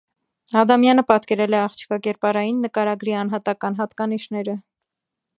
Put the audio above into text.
Ադամյանը պատկերել է աղջկա կերպարային նկարագրի անհատական հատկանիշները։